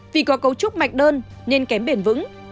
vì có cấu trúc mạch đơn nên kém bền vững